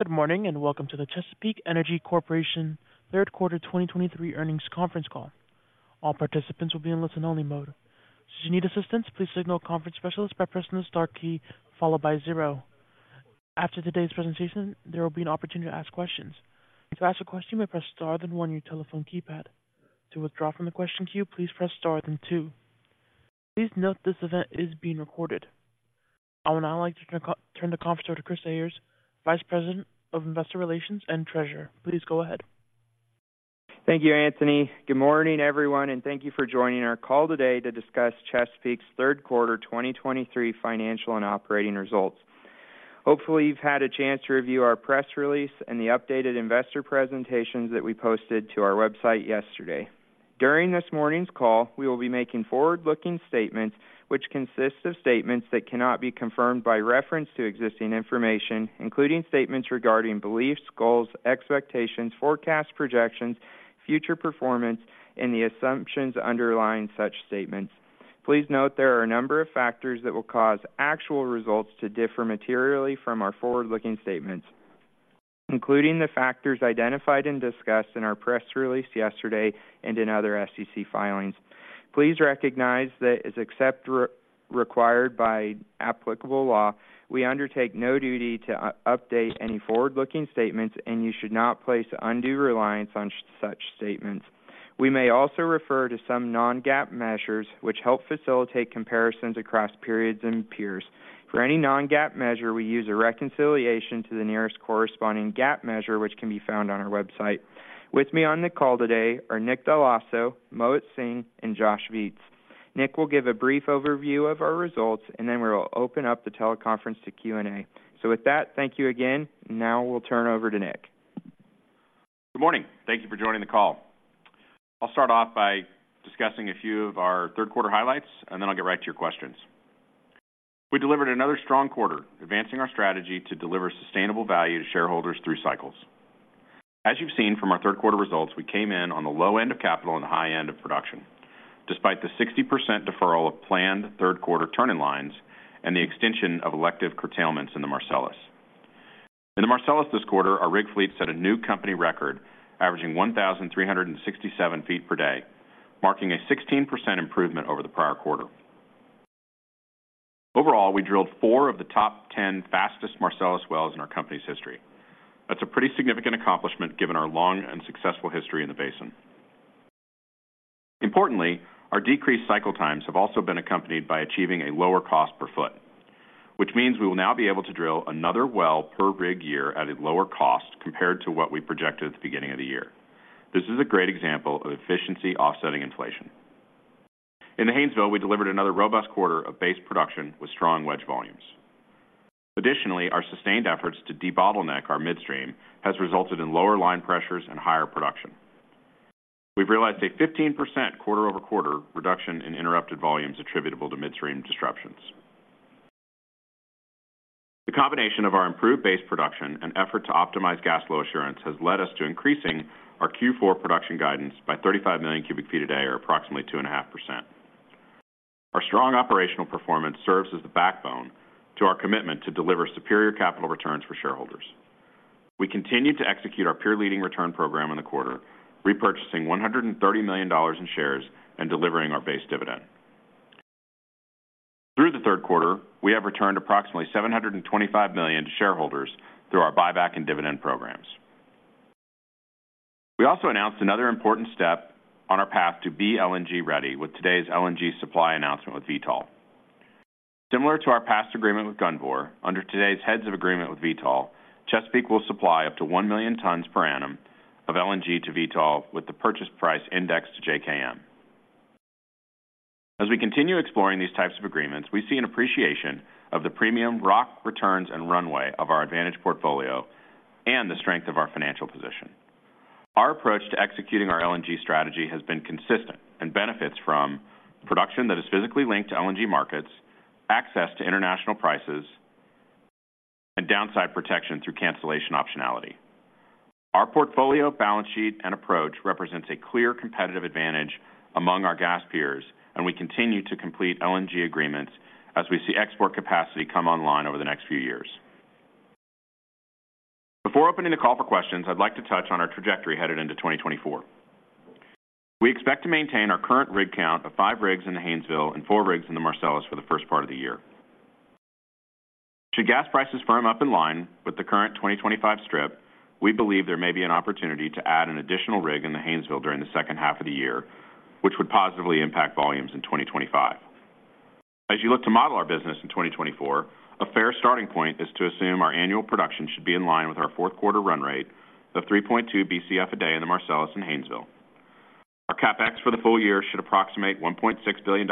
Good morning, and welcome to the Chesapeake Energy Corporation third quarter 2023 earnings conference call. All participants will be in listen-only mode. Should you need assistance, please signal a conference specialist by pressing the star key followed by zero. After today's presentation, there will be an opportunity to ask questions. To ask a question, you may press Star, then one on your telephone keypad. To withdraw from the question queue, please press Star, then two. Please note this event is being recorded. I would now like to turn the conference over to Chris Ayres, Vice President of Investor Relations and Treasurer. Please go ahead. Thank you, Anthony. Good morning, everyone, and thank you for joining our call today to discuss Chesapeake's third quarter 2023 financial and operating results. Hopefully, you've had a chance to review our press release and the updated investor presentations that we posted to our website yesterday. During this morning's call, we will be making forward-looking statements, which consist of statements that cannot be confirmed by reference to existing information, including statements regarding beliefs, goals, expectations, forecast projections, future performance, and the assumptions underlying such statements. Please note there are a number of factors that will cause actual results to differ materially from our forward-looking statements, including the factors identified and discussed in our press release yesterday and in other SEC filings. Please recognize that except as required by applicable law, we undertake no duty to update any forward-looking statements, and you should not place undue reliance on such statements. We may also refer to some Non-GAAP measures, which help facilitate comparisons across periods and peers. For any Non-GAAP measure, we use a reconciliation to the nearest corresponding GAAP measure, which can be found on our website. With me on the call today are Nick Dell'Osso, Mohit Singh, and Josh Viets. Nick will give a brief overview of our results, and then we will open up the teleconference to Q&A. So with that, thank you again. Now we'll turn over to Nick. Good morning. Thank you for joining the call. I'll start off by discussing a few of our third quarter highlights, and then I'll get right to your questions. We delivered another strong quarter, advancing our strategy to deliver sustainable value to shareholders through cycles. As you've seen from our third quarter results, we came in on the low end of capital and the high end of production, despite the 60% deferral of planned third quarter turn-in-lines and the extension of elective curtailments in the Marcellus. In the Marcellus this quarter, our rig fleet set a new company record, averaging 1,367 feet per day, marking a 16% improvement over the prior quarter. Overall, we drilled four of the top 10 fastest Marcellus wells in our company's history. That's a pretty significant accomplishment, given our long and successful history in the basin. Importantly, our decreased cycle times have also been accompanied by achieving a lower cost per foot, which means we will now be able to drill another well per rig year at a lower cost compared to what we projected at the beginning of the year. This is a great example of efficiency offsetting inflation. In the Haynesville, we delivered another robust quarter of base production with strong wedge volumes. Additionally, our sustained efforts to debottleneck our midstream has resulted in lower line pressures and higher production. We've realized a 15% quarter-over-quarter reduction in interrupted volumes attributable to midstream disruptions. The combination of our improved base production and effort to optimize gas flow assurance has led us to increasing our Q4 production guidance by 35 million cubic feet a day, or approximately 2.5%. Our strong operational performance serves as the backbone to our commitment to deliver superior capital returns for shareholders. We continued to execute our peer-leading return program in the quarter, repurchasing $130 million in shares and delivering our base dividend. Through the third quarter, we have returned approximately $725 million to shareholders through our buyback and dividend programs. We also announced another important step on our path to be LNG ready with today's LNG supply announcement with Vitol. Similar to our past agreement with Gunvor, under today's heads of agreement with Vitol, Chesapeake will supply up to 1 million tons per annum of LNG to Vitol with the purchase price indexed to JKM. As we continue exploring these types of agreements, we see an appreciation of the premium rock, returns, and runway of our advantage portfolio and the strength of our financial position. Our approach to executing our LNG strategy has been consistent and benefits from production that is physically linked to LNG markets, access to international prices, and downside protection through cancellation optionality. Our portfolio, balance sheet, and approach represents a clear competitive advantage among our gas peers, and we continue to complete LNG agreements as we see export capacity come online over the next few years. Before opening the call for questions, I'd like to touch on our trajectory headed into 2024. We expect to maintain our current rig count of 5 rigs in the Haynesville and 4 rigs in the Marcellus for the first part of the year. Should gas prices firm up in line with the current 2025 strip, we believe there may be an opportunity to add an additional rig in the Haynesville during the second half of the year, which would positively impact volumes in 2025. As you look to model our business in 2024, a fair starting point is to assume our annual production should be in line with our fourth quarter run rate of 3.2 BCF a day in the Marcellus and Haynesville. Our CapEx for the full year should approximate $1.6 billion,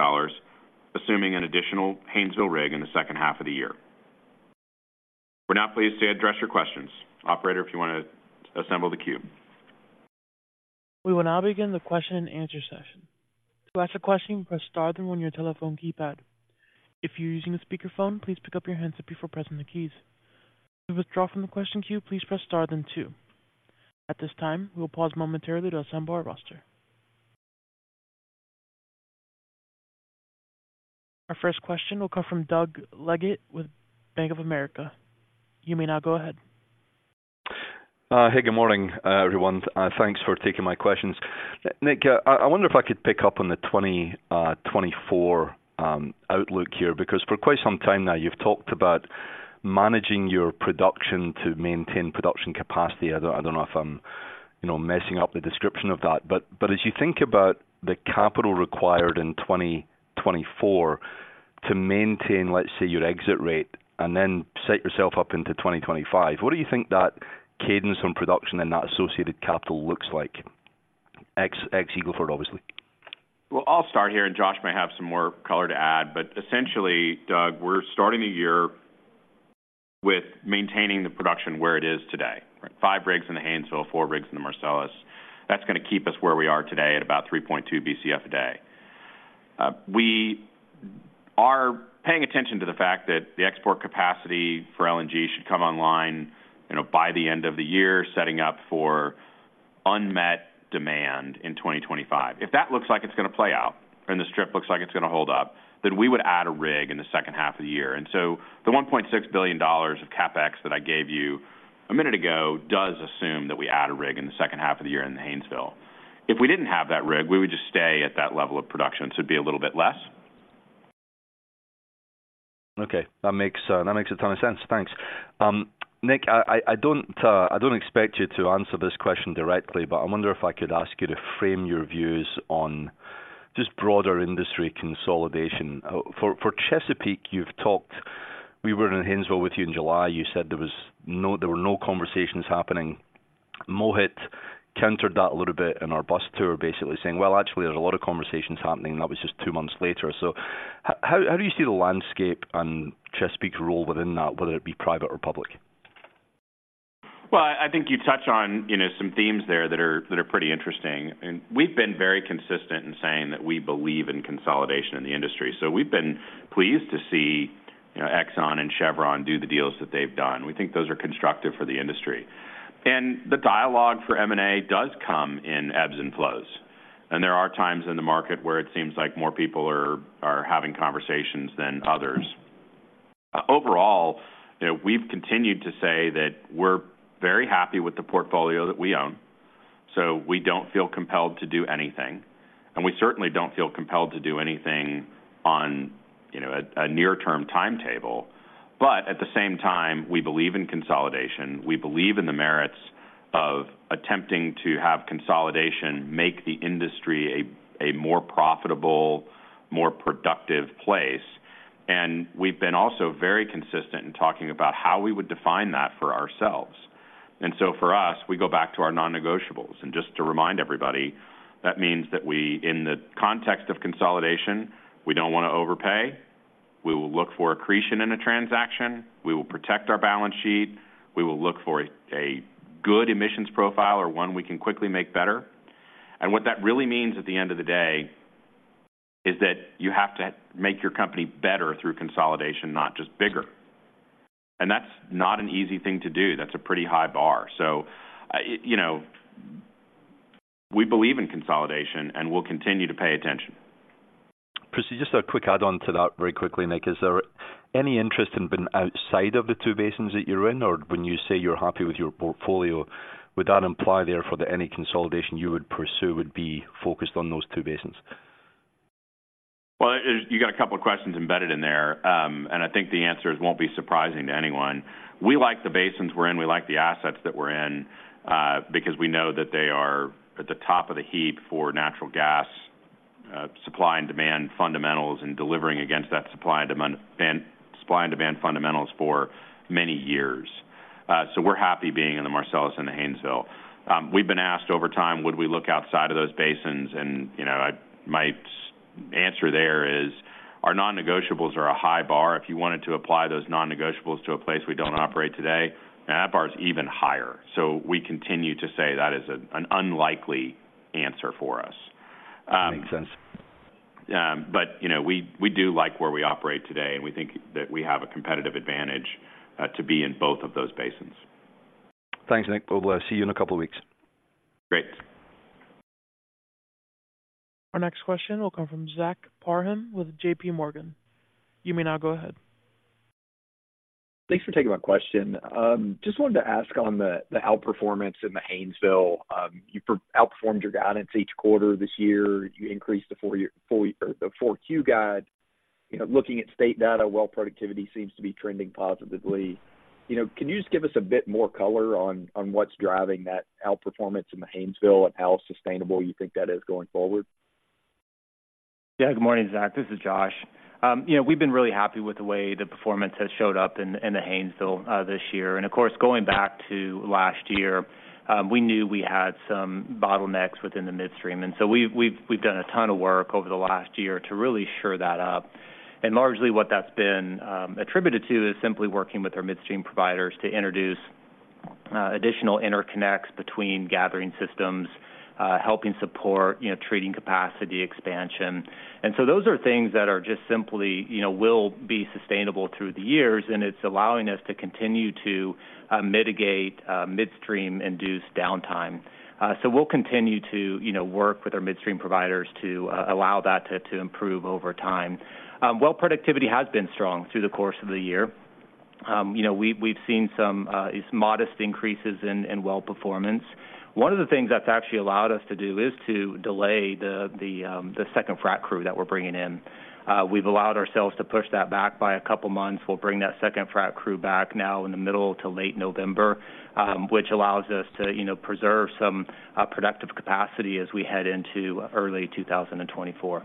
assuming an additional Haynesville rig in the second half of the year. We're now pleased to address your questions. Operator, if you want to assemble the queue. We will now begin the question-and-answer session. To ask a question, press star, then 1 on your telephone keypad. If you're using a speakerphone, please pick up your handset before pressing the keys. To withdraw from the question queue, please press star, then two. At this time, we will pause momentarily to assemble our roster.... Our first question will come from Doug Leggate with Bank of America. You may now go ahead. Hey, good morning, everyone. Thanks for taking my questions. Nick, I wonder if I could pick up on the 2024 outlook here, because for quite some time now, you've talked about managing your production to maintain production capacity. I don't know if I'm, you know, messing up the description of that, but as you think about the capital required in 2024 to maintain, let's say, your exit rate and then set yourself up into 2025, what do you think that cadence on production and that associated capital looks like? Ex Eagle Ford, obviously. Well, I'll start here, and Josh may have some more color to add, but essentially, Doug, we're starting the year with maintaining the production where it is today. Five rigs in the Haynesville, four rigs in the Marcellus. That's gonna keep us where we are today at about 3.2 BCF a day. We are paying attention to the fact that the export capacity for LNG should come online, you know, by the end of the year, setting up for unmet demand in 2025. If that looks like it's gonna play out, and the strip looks like it's gonna hold up, then we would add a rig in the second half of the year. The $1.6 billion of CapEx that I gave you a minute ago does assume that we add a rig in the second half of the year in the Haynesville. If we didn't have that rig, we would just stay at that level of production, so it'd be a little bit less. Okay, that makes, that makes a ton of sense. Thanks. Nick, I don't expect you to answer this question directly, but I wonder if I could ask you to frame your views on just broader industry consolidation. For Chesapeake, you've talked. We were in Haynesville with you in July. You said there were no conversations happening. Mohit countered that a little bit in our bus tour, basically saying, "Well, actually, there's a lot of conversations happening," and that was just two months later. So how do you see the landscape and Chesapeake's role within that, whether it be private or public? Well, I think you touch on, you know, some themes there that are pretty interesting. We've been very consistent in saying that we believe in consolidation in the industry. So we've been pleased to see, you know, Exxon and Chevron do the deals that they've done. We think those are constructive for the industry. The dialogue for M&A does come in ebbs and flows, and there are times in the market where it seems like more people are having conversations than others. Overall, you know, we've continued to say that we're very happy with the portfolio that we own, so we don't feel compelled to do anything, and we certainly don't feel compelled to do anything on, you know, a near-term timetable. But at the same time, we believe in consolidation. We believe in the merits of attempting to have consolidation, make the industry a more profitable, more productive place. And we've been also very consistent in talking about how we would define that for ourselves. And so for us, we go back to our non-negotiables. And just to remind everybody, that means that we, in the context of consolidation, we don't want to overpay. We will look for accretion in a transaction. We will protect our balance sheet. We will look for a good emissions profile or one we can quickly make better. And what that really means at the end of the day is that you have to make your company better through consolidation, not just bigger. And that's not an easy thing to do. That's a pretty high bar. So, you know, we believe in consolidation, and we'll continue to pay attention. Just a quick add-on to that very quickly, Nick. Is there any interest in being outside of the two basins that you're in? Or when you say you're happy with your portfolio, would that imply, therefore, that any consolidation you would pursue would be focused on those two basins? Well, you got a couple of questions embedded in there, and I think the answers won't be surprising to anyone. We like the basins we're in. We like the assets that we're in, because we know that they are at the top of the heap for natural gas, supply and demand fundamentals and delivering against that supply and demand, supply and demand fundamentals for many years. So we're happy being in the Marcellus and the Haynesville. We've been asked over time, would we look outside of those basins? And, you know, my answer there is our non-negotiables are a high bar. If you wanted to apply those non-negotiables to a place we don't operate today, that bar is even higher. So we continue to say that is an unlikely answer for us. Makes sense. But, you know, we do like where we operate today, and we think that we have a competitive advantage to be in both of those basins. Thanks, Nick. We'll see you in a couple of weeks. Great. Our next question will come from Zach Parham with JPMorgan. You may now go ahead. Thanks for taking my question. Just wanted to ask on the outperformance in the Haynesville. You outperformed your guidance each quarter this year. You increased the four-year 4Q guide. You know, looking at state data, productivity seems to be trending positively. You know, can you just give us a bit more color on what's driving that outperformance in the Haynesville and how sustainable you think that is going forward? Yeah. Good morning, Zach. This is Josh. You know, we've been really happy with the way the performance has showed up in the Haynesville this year. And of course, going back to last year, we knew we had some bottlenecks within the midstream, and so we've done a ton of work over the last year to really shore that up. And largely what that's been attributed to is simply working with our midstream providers to introduce additional interconnects between gathering systems, helping support, you know, trading capacity expansion. And so those are things that are just simply, you know, will be sustainable through the years, and it's allowing us to continue to mitigate midstream-induced downtime. So we'll continue to, you know, work with our midstream providers to allow that to improve over time. Well, productivity has been strong through the course of the year. You know, we've seen some these modest increases in well performance. One of the things that's actually allowed us to do is to delay the second frac crew that we're bringing in. We've allowed ourselves to push that back by a couple of months. We'll bring that second frac crew back now in the middle to late November, which allows us to, you know, preserve some productive capacity as we head into early 2024.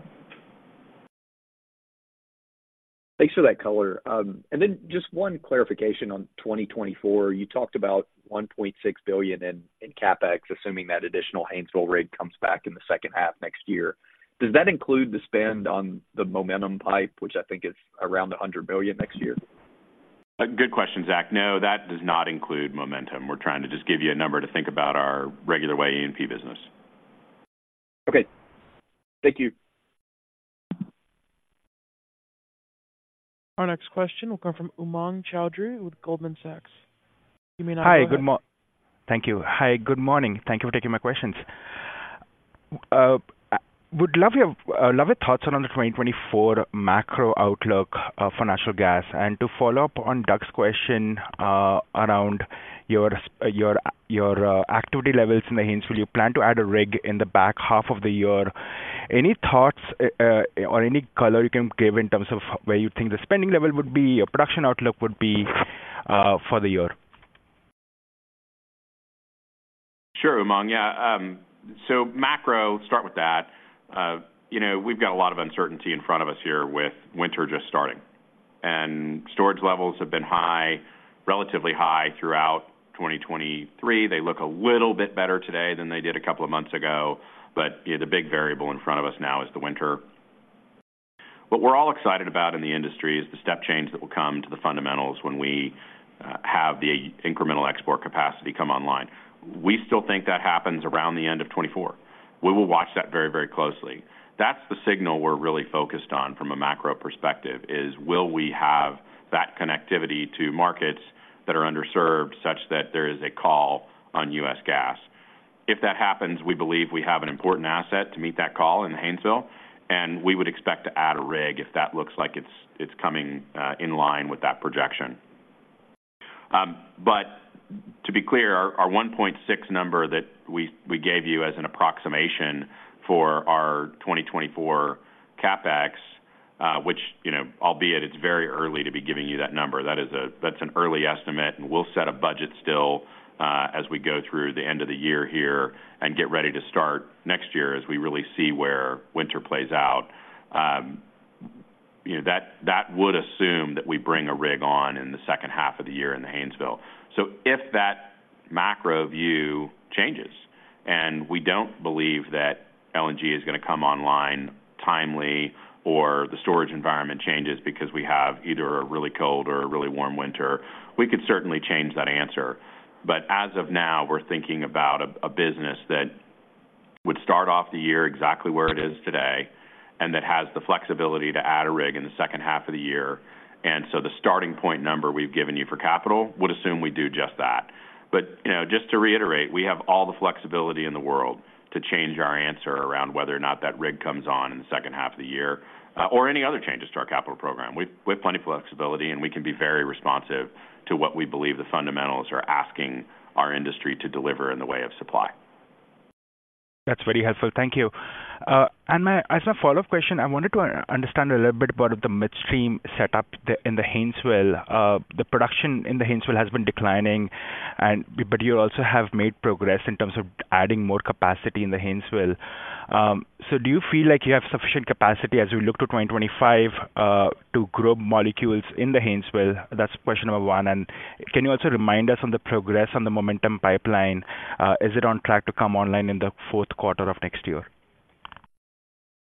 Thanks for that color. And then just one clarification on 2024. You talked about $1.6 billion in CapEx, assuming that additional Haynesville rig comes back in the second half next year. Does that include the spend on the Momentum pipe, which I think is around $100 billion next year? Good question, Zach. No, that does not include Momentum. We're trying to just give you a number to think about our regular way E&P business. Okay. Thank you. Our next question will come from Umang Choudhary with Goldman Sachs. You may now go ahead. Hi, good morning. Thank you for taking my questions. Would love your thoughts on the 2024 macro outlook for natural gas. To follow up on Doug's question, around your activity levels in the Haynesville. You plan to add a rig in the back half of the year. Any thoughts or any color you can give in terms of where you think the spending level would be, your production outlook would be, for the year? Sure, Umang. Yeah, so macro, start with that. You know, we've got a lot of uncertainty in front of us here with winter just starting, and storage levels have been high, relatively high throughout 2023. They look a little bit better today than they did a couple of months ago, but, yeah, the big variable in front of us now is the winter. What we're all excited about in the industry is the step change that will come to the fundamentals when we have the incremental export capacity come online. We still think that happens around the end of 2024. We will watch that very, very closely. That's the signal we're really focused on from a macro perspective, is will we have that connectivity to markets that are underserved such that there is a call on U.S. gas? If that happens, we believe we have an important asset to meet that call in the Haynesville, and we would expect to add a rig if that looks like it's coming in line with that projection. But to be clear, our 1.6 number that we gave you as an approximation for our 2024 CapEx, which, you know, albeit it's very early to be giving you that number. That is, that's an early estimate, and we'll set a budget still as we go through the end of the year here and get ready to start next year as we really see where winter plays out. You know, that would assume that we bring a rig on in the second half of the year in the Haynesville. So if that macro view changes, and we don't believe that LNG is gonna come online timely, or the storage environment changes because we have either a really cold or a really warm winter, we could certainly change that answer. But as of now, we're thinking about a business that would start off the year exactly where it is today, and that has the flexibility to add a rig in the second half of the year. And so the starting point number we've given you for capital would assume we do just that. But, you know, just to reiterate, we have all the flexibility in the world to change our answer around whether or not that rig comes on in the second half of the year, or any other changes to our capital program. We've plenty of flexibility, and we can be very responsive to what we believe the fundamentals are asking our industry to deliver in the way of supply. That's very helpful. Thank you. And as a follow-up question, I wanted to understand a little bit about the midstream setup in the Haynesville. The production in the Haynesville has been declining, but you also have made progress in terms of adding more capacity in the Haynesville. So do you feel like you have sufficient capacity as we look to 2025, to grow molecules in the Haynesville? That's question number one. And can you also remind us on the progress on the Momentum pipeline? Is it on track to come online in the fourth quarter of next year?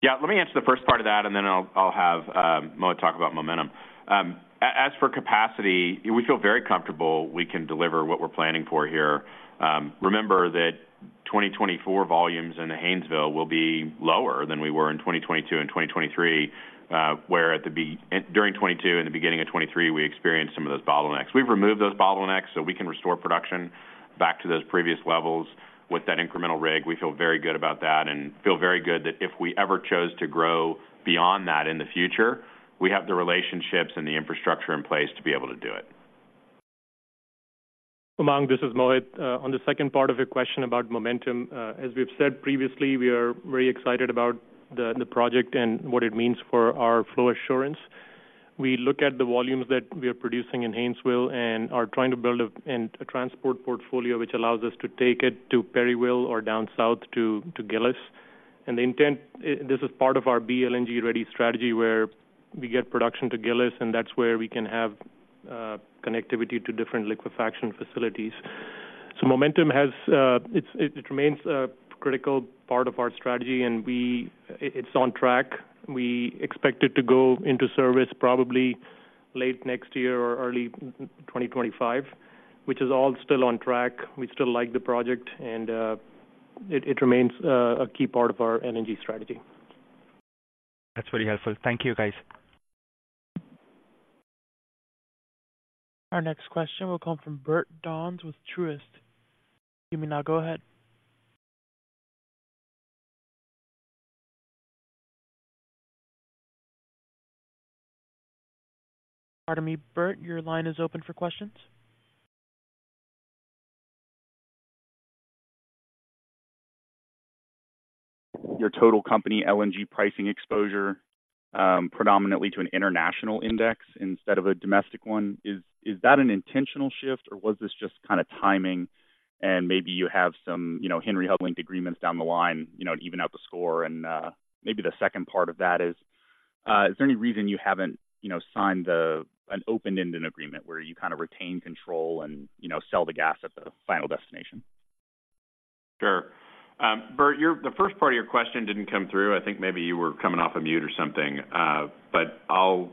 Yeah, let me answer the first part of that, and then I'll have Mohit talk about Momentum. As for capacity, we feel very comfortable we can deliver what we're planning for here. Remember that 2024 volumes in the Haynesville will be lower than we were in 2022 and 2023, where during 2022 and the beginning of 2023, we experienced some of those bottlenecks. We've removed those bottlenecks so we can restore production back to those previous levels with that incremental rig. We feel very good about that and feel very good that if we ever chose to grow beyond that in the future, we have the relationships and the infrastructure in place to be able to do it. Umang, this is Mohit. On the second part of your question about Momentum, as we've said previously, we are very excited about the project and what it means for our flow assurance. We look at the volumes that we are producing in Haynesville and are trying to build a transport portfolio which allows us to take it to Perryville or down south to Gillis. The intent, this is part of our Be LNG ready strategy, where we get production to Gillis, and that's where we can have connectivity to different liquefaction facilities. So Momentum, it remains a critical part of our strategy, and it's on track. We expect it to go into service probably late next year or early 2025, which is all still on track. We still like the project, and it remains a key part of our LNG strategy. That's very helpful. Thank you, guys. Our next question will come from Bert Donnes with Truist. You may now go ahead.... Pardon me, Bert, your line is open for questions. Your total company, LNG pricing exposure, predominantly to an international index instead of a domestic one. Is that an intentional shift, or was this just kind of timing and maybe you have some, you know, Henry Hub linked agreements down the line, you know, to even out the score? And maybe the second part of that is, is there any reason you haven't, you know, signed an open-ended agreement where you kind of retain control and, you know, sell the gas at the final destination? Sure. Bert, the first part of your question didn't come through. I think maybe you were coming off a mute or something, but I'll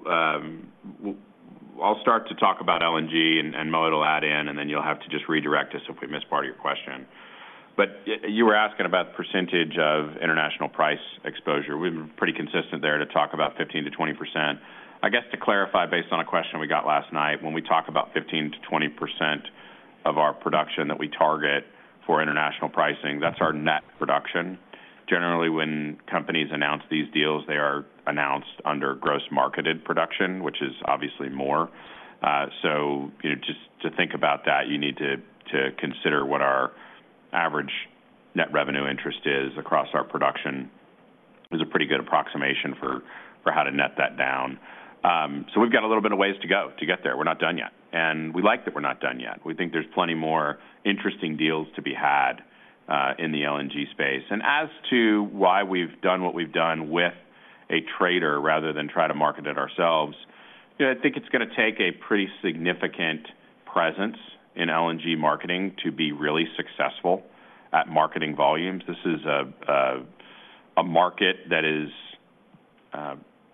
start to talk about LNG, and Mo will add in, and then you'll have to just redirect us if we missed part of your question. But you were asking about the percentage of international price exposure. We've been pretty consistent there to talk about 15%-20%. I guess, to clarify, based on a question we got last night, when we talk about 15%-20% of our production that we target for international pricing, that's our net production. Generally, when companies announce these deals, they are announced under gross marketed production, which is obviously more. So, you know, just to think about that, you need to consider what our average Net Revenue Interest is across our production is a pretty good approximation for how to net that down. So we've got a little bit of ways to go to get there. We're not done yet, and we like that we're not done yet. We think there's plenty more interesting deals to be had in the LNG space. As to why we've done what we've done with a trader rather than try to market it ourselves, you know, I think it's gonna take a pretty significant presence in LNG marketing to be really successful at marketing volumes. This is a market that is...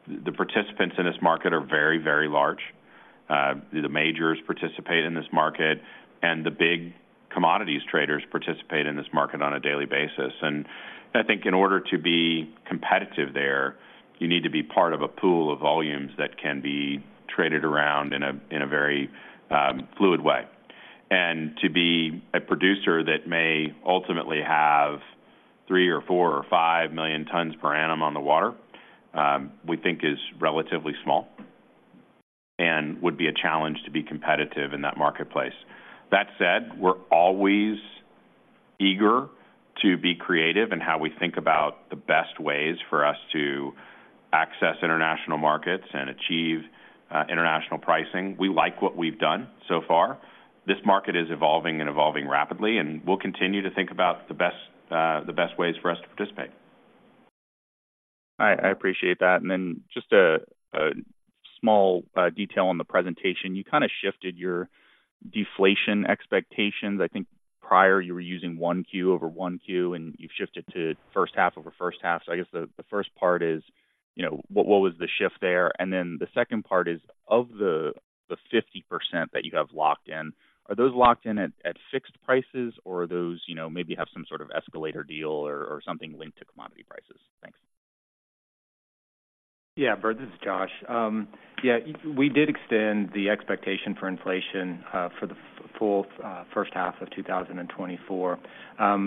The participants in this market are very, very large. The majors participate in this market, and the big commodities traders participate in this market on a daily basis. I think in order to be competitive there, you need to be part of a pool of volumes that can be traded around in a very fluid way. To be a producer that may ultimately have 3 or 4 or 5 million tons per annum on the water, we think is relatively small and would be a challenge to be competitive in that marketplace. That said, we're always eager to be creative in how we think about the best ways for us to access international markets and achieve international pricing. We like what we've done so far. This market is evolving and evolving rapidly, and we'll continue to think about the best ways for us to participate. I appreciate that. And then just a small detail on the presentation. You kinda shifted your deflation expectations. I think prior you were using one Q over one Q, and you've shifted to first half over first half. So I guess the first part is, you know, what was the shift there? And then the second part is: of the 50% that you have locked in, are those locked in at fixed prices, or are those, you know, maybe have some sort of escalator deal or something linked to commodity prices? Thanks. Yeah, Bert, this is Josh. Yeah, we did extend the expectation for inflation for the full first half of 2024.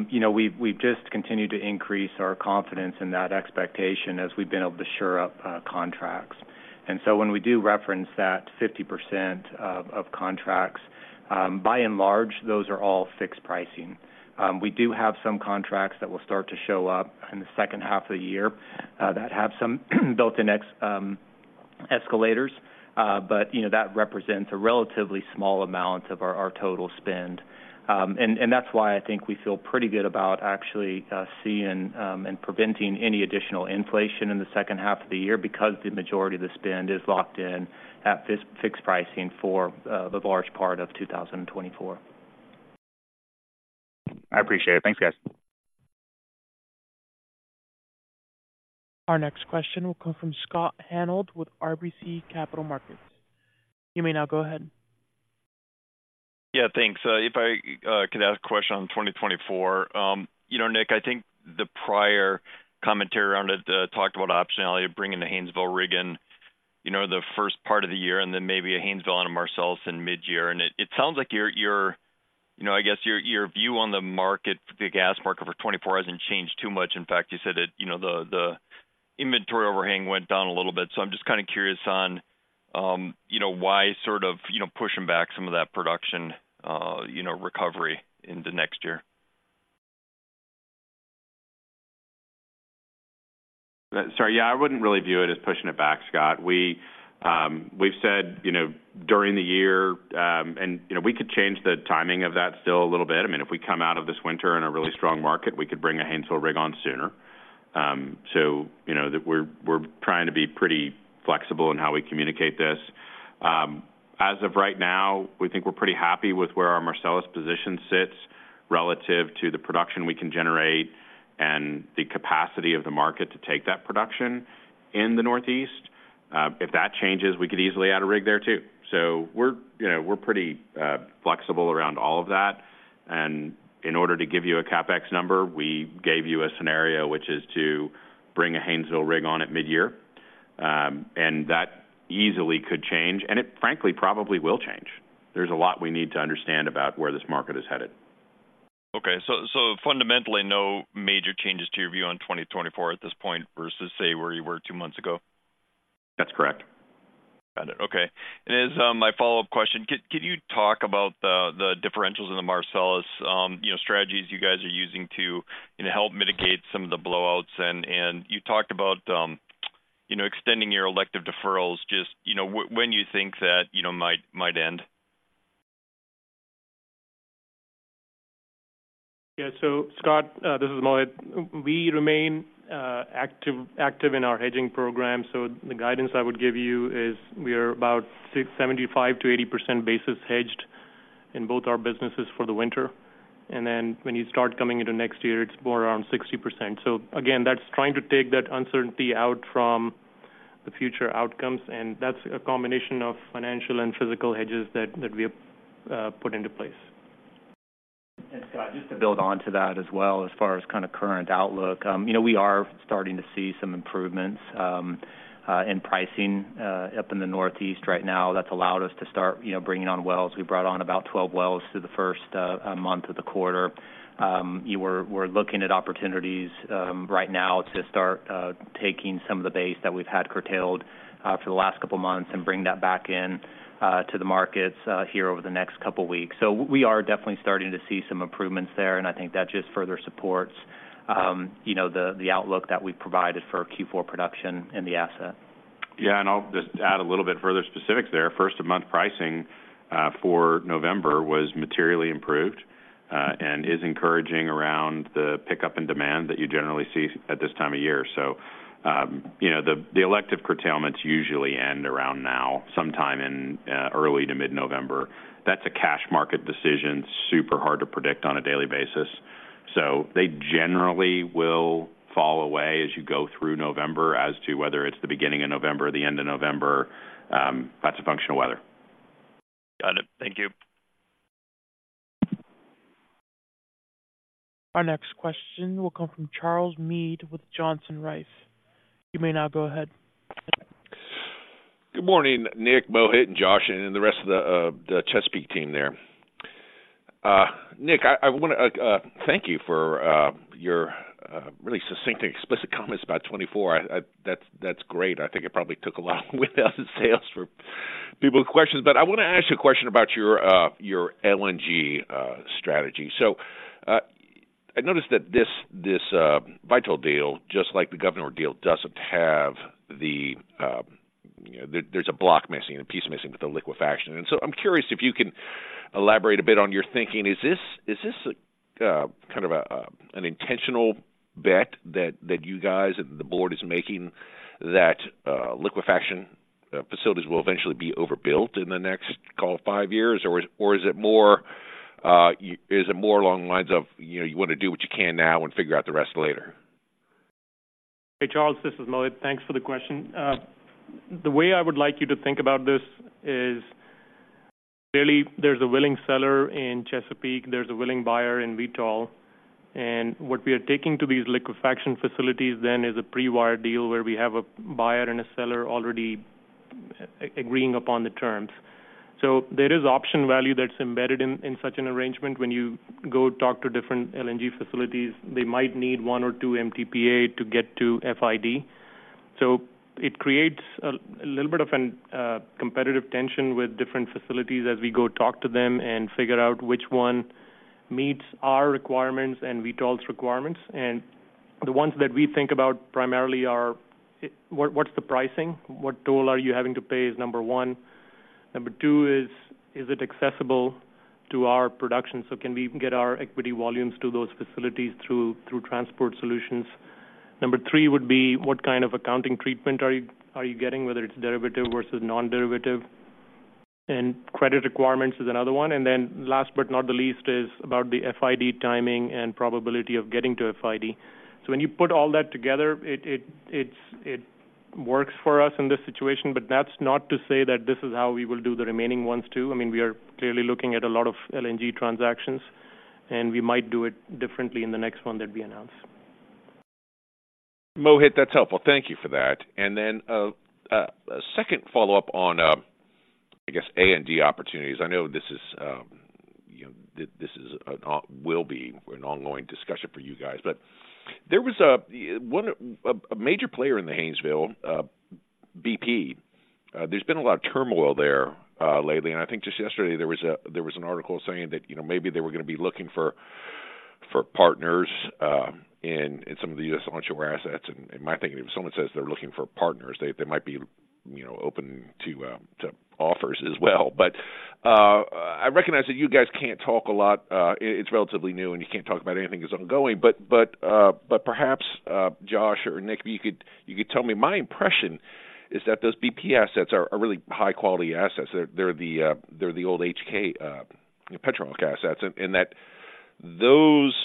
You know, we've just continued to increase our confidence in that expectation as we've been able to shore up contracts. And so when we do reference that 50% of contracts, by and large, those are all fixed pricing. We do have some contracts that will start to show up in the second half of the year that have some built-in escalators, but you know, that represents a relatively small amount of our total spend. That's why I think we feel pretty good about actually seeing and preventing any additional inflation in the second half of the year, because the majority of the spend is locked in at fixed pricing for the large part of 2024. I appreciate it. Thanks, guys. Our next question will come from Scott Hanold with RBC Capital Markets. You may now go ahead. Yeah, thanks. If I could ask a question on 2024. You know, Nick, I think the prior commentary around it talked about optionality of bringing the Haynesville rig in, you know, the first part of the year and then maybe a Haynesville and a Marcellus in midyear. And it sounds like your you know I guess your view on the market, the gas market for 2024 hasn't changed too much. In fact, you said it, you know, the inventory overhang went down a little bit. So I'm just kind of curious on, you know, why sort of, you know, pushing back some of that production recovery into next year. Sorry. Yeah, I wouldn't really view it as pushing it back, Scott. We've said, you know, during the year, and, you know, we could change the timing of that still a little bit. I mean, if we come out of this winter in a really strong market, we could bring a Haynesville rig on sooner. So, you know, we're trying to be pretty flexible in how we communicate this. As of right now, we think we're pretty happy with where our Marcellus position sits relative to the production we can generate and the capacity of the market to take that production in the Northeast. If that changes, we could easily add a rig there too. So we're, you know, we're pretty flexible around all of that, and in order to give you a CapEx number, we gave you a scenario which is to bring a Haynesville rig on at midyear. That easily could change, and it frankly probably will change. There's a lot we need to understand about where this market is headed.... Okay, so, so fundamentally, no major changes to your view on 2024 at this point versus, say, where you were two months ago? That's correct. Got it. Okay. And as my follow-up question, can you talk about the differentials in the Marcellus, you know, strategies you guys are using to, you know, help mitigate some of the blowouts? And you talked about, you know, extending your elective deferrals, just, you know, when you think that, you know, might end. Yeah. So, Scott, this is Mohit. We remain active in our hedging program. So the guidance I would give you is we are about 75%-80% basis hedged in both our businesses for the winter. And then when you start coming into next year, it's more around 60%. So again, that's trying to take that uncertainty out from the future outcomes, and that's a combination of financial and physical hedges that we have put into place. And Scott, just to build on to that as well, as far as kind of current outlook, you know, we are starting to see some improvements in pricing up in the Northeast right now. That's allowed us to start, you know, bringing on wells. We brought on about 12 wells through the first month of the quarter. You know we're looking at opportunities right now to start taking some of the base that we've had curtailed for the last couple of months and bring that back in to the markets here over the next couple of weeks. So we are definitely starting to see some improvements there, and I think that just further supports you know the outlook that we provided for Q4 production in the asset. Yeah, and I'll just add a little bit further specifics there. First-of-month pricing for November was materially improved, and is encouraging around the pickup in demand that you generally see at this time of year. So, you know, the elective curtailments usually end around now, sometime in early to mid-November. That's a cash market decision, super hard to predict on a daily basis. So they generally will fall away as you go through November as to whether it's the beginning of November or the end of November, that's a function of weather. Got it. Thank you. Our next question will come from Charles Meade with Johnson Rice. You may now go ahead. Good morning, Nick, Mohit, and Josh, and the rest of the Chesapeake team there. Nick, I wanna thank you for your really succinct and explicit comments about 2024. That's great. I think it probably took a lot with us in sales for people with questions. But I wanna ask you a question about your LNG strategy. So, I noticed that this Vitol deal, just like the Gunvor deal, doesn't have the, you know, there's a block missing, a piece missing with the liquefaction. And so I'm curious if you can elaborate a bit on your thinking. Is this a kind of an intentional bet that you guys and the board is making that liquefaction facilities will eventually be overbuilt in the next call five years? Or is it more along the lines of, you know, you want to do what you can now and figure out the rest later? Hey, Charles, this is Mohit. Thanks for the question. The way I would like you to think about this is clearly there's a willing seller in Chesapeake, there's a willing buyer in Vitol, and what we are taking to these liquefaction facilities then is a pre-wired deal where we have a buyer and a seller already agreeing upon the terms. So there is option value that's embedded in such an arrangement. When you go talk to different LNG facilities, they might need one or two MTPA to get to FID. So it creates a little bit of a competitive tension with different facilities as we go talk to them and figure out which one meets our requirements and Vitol's requirements. And the ones that we think about primarily are: what's the pricing? What toll are you having to pay is number one. Number two is, is it accessible to our production? So can we get our equity volumes to those facilities through transport solutions? Number three would be what kind of accounting treatment are you getting, whether it's derivative versus non-derivative? And credit requirements is another one. And then last but not the least, is about the FID timing and probability of getting to FID. So when you put all that together, it works for us in this situation, but that's not to say that this is how we will do the remaining ones, too. I mean, we are clearly looking at a lot of LNG transactions, and we might do it differently in the next one that we announce. Mohit, that's helpful. Thank you for that. And then, a second follow-up on, I guess, A&D opportunities. I know this is, you know, will be an ongoing discussion for you guys, but there was one of... a major player in the Haynesville, BP. There's been a lot of turmoil there, lately, and I think just yesterday there was an article saying that, you know, maybe they were gonna be looking for partners in some of the U.S. onshore assets. And in my thinking, if someone says they're looking for partners, they might be, you know, open to offers as well. But, I recognize that you guys can't talk a lot, it's relatively new, and you can't talk about anything that's ongoing. But perhaps Josh or Nick, you could tell me. My impression is that those BP assets are really high-quality assets. They're the old HK Petrohawk assets, and that those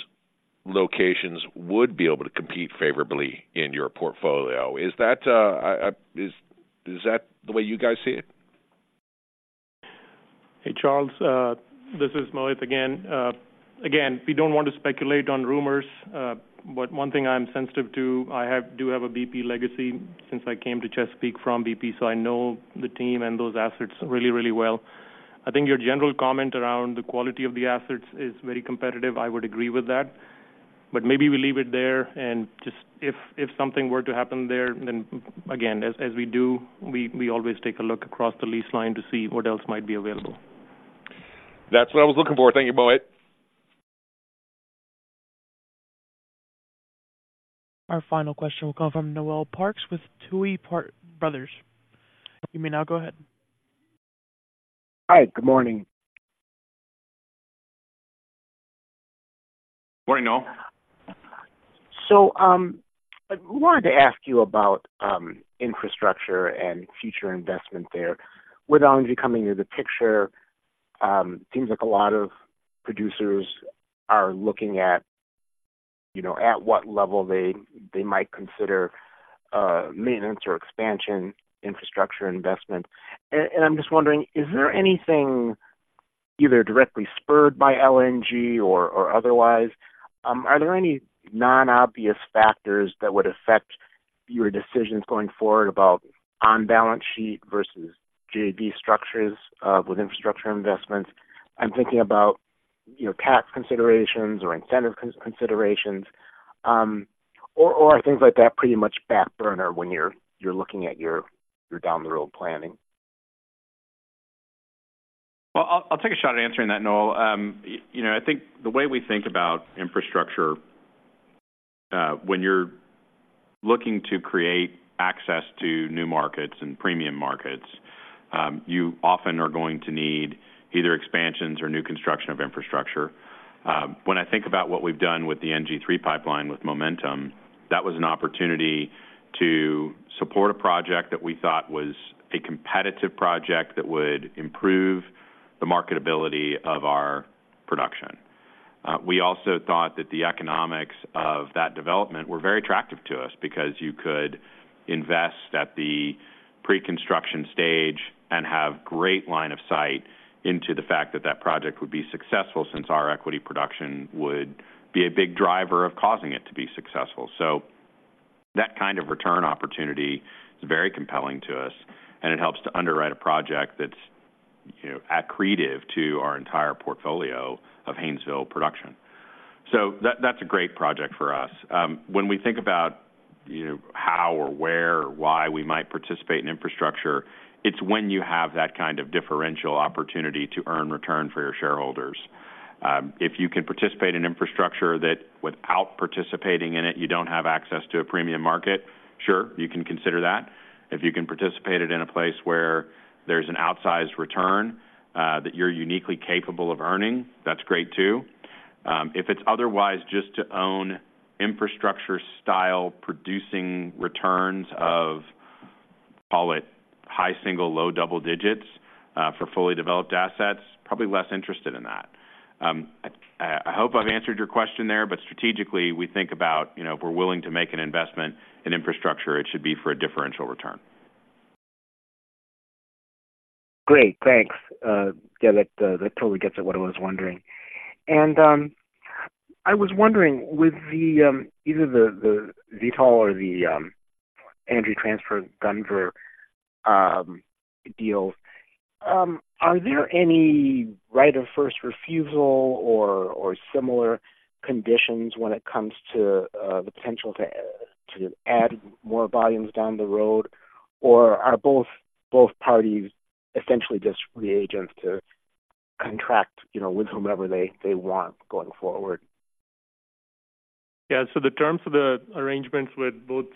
locations would be able to compete favorably in your portfolio. Is that the way you guys see it? Hey, Charles, this is Mohit again. Again, we don't want to speculate on rumors, but one thing I'm sensitive to, I do have a BP legacy since I came to Chesapeake from BP, so I know the team and those assets really, really well. I think your general comment around the quality of the assets is very competitive. I would agree with that, but maybe we leave it there and just if something were to happen there, then again, as we do, we always take a look across the lease line to see what else might be available. That's what I was looking for. Thank you, Mohit. Our final question will come from Noel Parks with Tuohy Brothers. You may now go ahead. Hi. Good morning. Morning, Noel. So, I wanted to ask you about infrastructure and future investment there. With LNG coming into the picture, seems like a lot of producers are looking at, you know, at what level they might consider maintenance or expansion infrastructure investment. And I'm just wondering, is there anything either directly spurred by LNG or otherwise, are there any non-obvious factors that would affect your decisions going forward about on-balance sheet versus JV structures with infrastructure investments? I'm thinking about, you know, tax considerations or incentive considerations, or are things like that pretty much back burner when you're looking at your down the road planning? Well, I'll take a shot at answering that, Noel. You know, I think the way we think about infrastructure, when you're looking to create access to new markets and premium markets, you often are going to need either expansions or new construction of infrastructure. When I think about what we've done with the NG3 pipeline with Momentum, that was an opportunity to support a project that we thought was a competitive project that would improve the marketability of our production. We also thought that the economics of that development were very attractive to us because you could invest at the pre-construction stage and have great line of sight into the fact that that project would be successful, since our equity production would be a big driver of causing it to be successful. So that kind of return opportunity is very compelling to us, and it helps to underwrite a project that's, you know, accretive to our entire portfolio of Haynesville production. So that, that's a great project for us. When we think about, you know, how or where or why we might participate in infrastructure, it's when you have that kind of differential opportunity to earn return for your shareholders. If you can participate in infrastructure that without participating in it, you don't have access to a premium market, sure, you can consider that. If you can participate it in a place where there's an outsized return, that you're uniquely capable of earning, that's great, too. If it's otherwise just to own infrastructure style, producing returns of, call it, high single, low double digits, for fully developed assets, probably less interested in that. I hope I've answered your question there, but strategically, we think about, you know, if we're willing to make an investment in infrastructure, it should be for a differential return. Great, thanks. Yeah, that totally gets at what I was wondering. And, I was wondering, with the either the Vitol or the Energy Transfer Gunvor deals, are there any right of first refusal or similar conditions when it comes to the potential to add more volumes down the road? Or are both parties essentially just free agents to contract, you know, with whomever they want going forward? Yeah. So the terms of the arrangements with both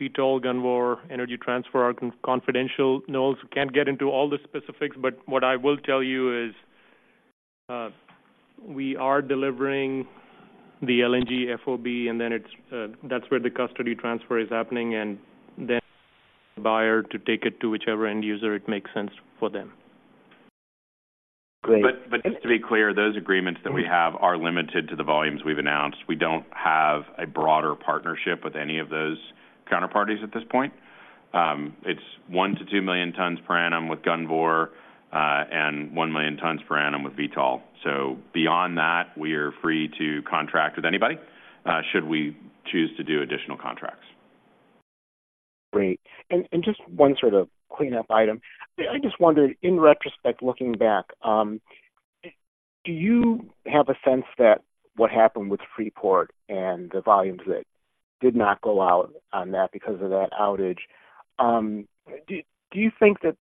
Vitol, Gunvor, Energy Transfer are confidential. Noel, can't get into all the specifics, but what I will tell you is, we are delivering the LNG FOB, and then it's, that's where the custody transfer is happening, and then buyer to take it to whichever end user it makes sense for them. Great. Just to be clear, those agreements that we have are limited to the volumes we've announced. We don't have a broader partnership with any of those counterparties at this point. It's 1-2 million tons per annum with Gunvor, and 1 million tons per annum with Vitol. So beyond that, we are free to contract with anybody, should we choose to do additional contracts. Great. And just one sort of cleanup item. I just wondered, in retrospect, looking back, do you have a sense that what happened with Freeport and the volumes that did not go out on that because of that outage, do you think that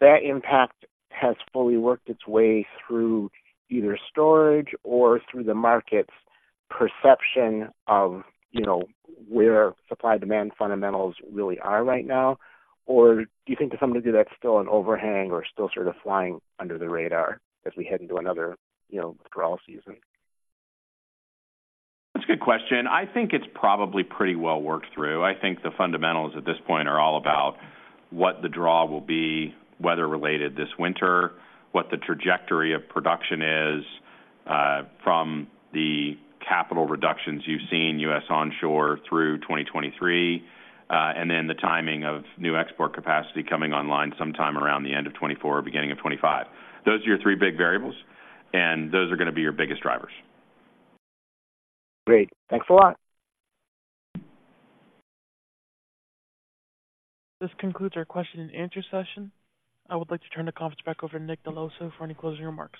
that impact has fully worked its way through either storage or through the market's perception of, you know, where supply-demand fundamentals really are right now? Or do you think to some degree, that's still an overhang or still sort of flying under the radar as we head into another, you know, draw season? That's a good question. I think it's probably pretty well worked through. I think the fundamentals at this point are all about what the draw will be, weather-related this winter, what the trajectory of production is, from the capital reductions you've seen U.S. onshore through 2023, and then the timing of new export capacity coming online sometime around the end of 2024, beginning of 2025. Those are your three big variables, and those are gonna be your biggest drivers. Great. Thanks a lot. This concludes our question-and-answer session. I would like to turn the conference back over to Nick Dell’Osso for any closing remarks.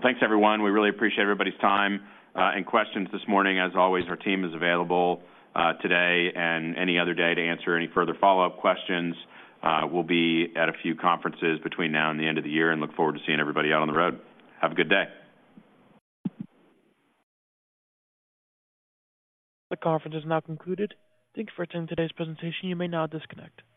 Well, thanks, everyone. We really appreciate everybody's time and questions this morning. As always, our team is available today and any other day to answer any further follow-up questions. We'll be at a few conferences between now and the end of the year and look forward to seeing everybody out on the road. Have a good day. The conference is now concluded. Thank you for attending today's presentation. You may now disconnect.